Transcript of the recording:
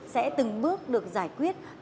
sẽ từng bước được giải quyết